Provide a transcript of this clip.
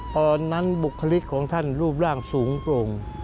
บุคลิกของท่านรูปร่างสูงโปร่ง